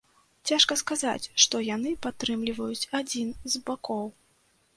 Цяжка сказаць, што яны падтрымліваюць адзін з бакоў.